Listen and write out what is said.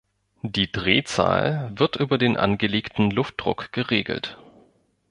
Die Drehzahl wird über den angelegten Luftdruck geregelt.